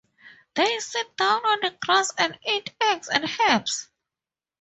They sit down on the grass and eat eggs and herbs.